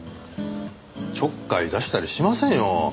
ちょっかい出したりしませんよ。